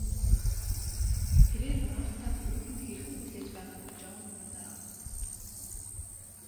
Тэрээр Мартаг үүдэнд хэрхэн хүлээж байгааг Жон анзаарав.